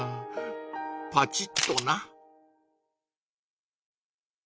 パチッとな。